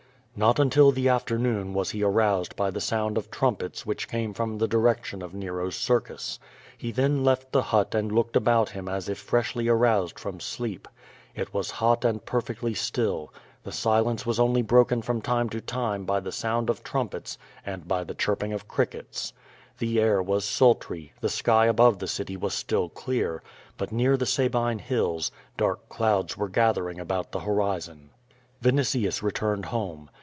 Not until the afternoon was he aroused by the sound of trumpets which came from the direction of Nero's circus. He then left the hut and looked about him as if freshly aroused from sleep. It was hot and perfectly still; the silence was only broken from time to time by the sound of trumpets and by the chirping of crickets. The air was sultry, the sky above the city was still clear, but near the Sabine Hills, dark clouds were gathering about the horizon. A'initius returned home.